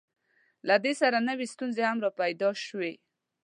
له دې سره نوې ستونزې هم راپیدا شوې.